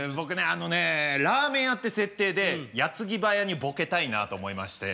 あのねラーメン屋って設定で矢継ぎ早にボケたいなと思いまして。